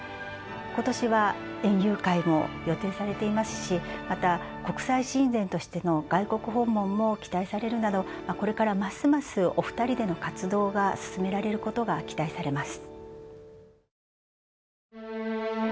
今年は園遊会も予定されていますしまた国際親善としての外国訪問も期待されるなどこれからますますお２人での活動が進められることが期待されます。